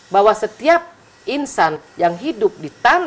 bahwa setiap insan yang hidup di tanah